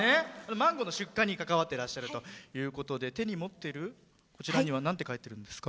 マンゴーの出荷に関わってらっしゃるということで手に持っているマンゴーには何が書いてあるんですか？